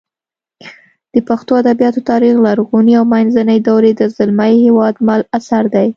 د پښتو ادبیاتو تاریخ لرغونې او منځنۍ دورې د زلمي هېوادمل اثر دی